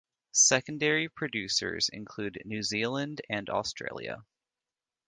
Secondary producers include New Zealand and Australia.